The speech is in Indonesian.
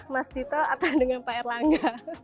mas tito atau dengan pak erlangga